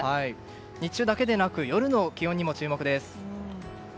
日中だけでなく夜の気温にも注目です。